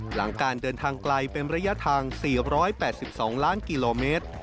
หลังการเดินทางไกลเป็นระยะทาง๔๘๒ล้านกิโลเมตร